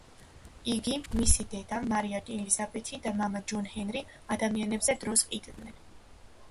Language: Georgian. იგი, მისი დედა მარია ელიზაბეთი და მამა ჯონ ჰენრი, ადამიანებზე დროს ყიდიდნენ.